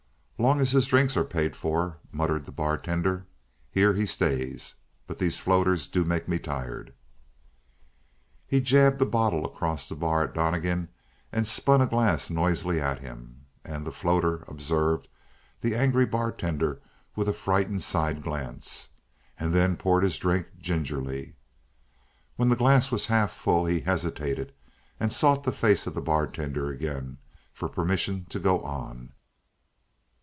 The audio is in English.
"Long as his drinks are paid for," muttered the bartender, "here he stays. But these floaters do make me tired!" He jabbed the bottle across the bar at Donnegan and spun a glass noisily at him, and the "floater" observed the angry bartender with a frightened side glance, and then poured his drink gingerly. When the glass was half full he hesitated and sought the face of the bartender again, for permission to go on.